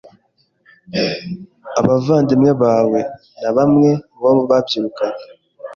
Abavandimwe bae na bamwe mu bo babyirukanye